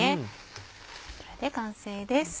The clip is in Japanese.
これで完成です。